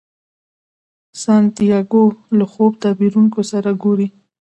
سانتیاګو له خوب تعبیرونکي سره ګوري.